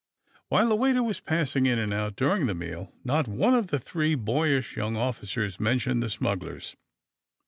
While the waiter was passing in and out dur ing the meal not one of the three boyish young officers mentioned the smugglers.